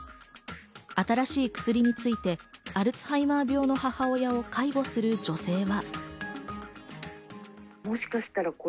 新しい薬についてアルツハイマー病の母親を介護する女性は。